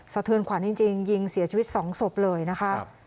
เทือนขวัญจริงยิงเสียชีวิต๒ศพเลยนะคะ